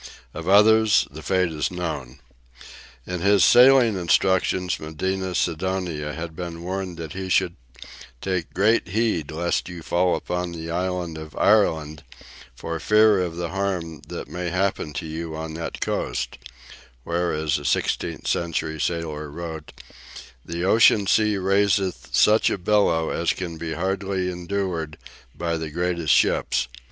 Of others the fate is known. In his sailing instructions Medina Sidonia had been warned that he should take "great heed lest you fall upon the island of Ireland for fear of the harm that may happen to you on that coast," where, as a sixteenth century sailor wrote, "the ocean sea raiseth such a billow as can hardly be endured by the greatest ships."